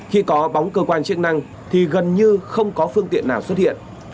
khi có bóng cơ quan chức năng thì gần như không có phương tiện nào xuất hiện